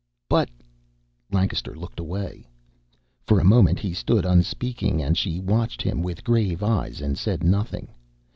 "But " Lancaster looked away. For a moment he stood unspeaking, and she watched him with grave eyes and said nothing.